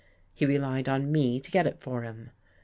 He relied on me to get it for him.